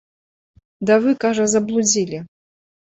Да вы, кажа, заблудзілі.